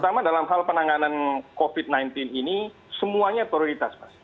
pertama dalam hal penanganan covid sembilan belas ini semuanya prioritas mas